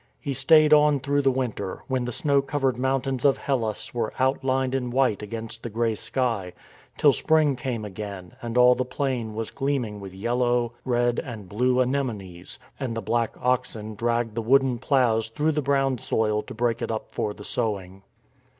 He stayed on through the winter, when the snow covered mountains of Hellas were outlined in white against the grey sky, till spring came again and all the plain was gleaming with yellow, red and blue anemones, and the black oxen dragged the wooden ploughs through the brown soil to break it up for the sowing.